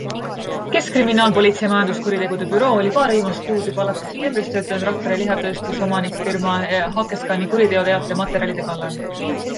Keskkriminaalpolitsei majanduskuritegude büroo oli paar viimast kuud, juba alates septembrist töötanud Rakvere lihatööstuse omanikfirma HKScani kuriteoteate materjalide kallal.